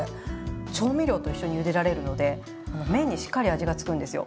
調味料と一緒にゆでられるので麺にしっかり味がつくんですよ。